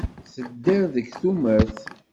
Tedder deg tumert.